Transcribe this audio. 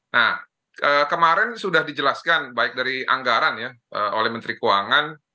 nah kemarin sudah dijelaskan baik dari anggaran ya oleh menteri keuangan